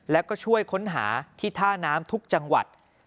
แล้วก็ช่วยค้นหาที่ท่าน้ำทุกจังหวัด